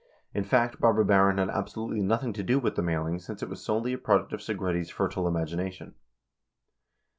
In fact, Barbara Barron had absolutely nothing to do with the mailing since it was solely a product of Segretti's fertile imagination.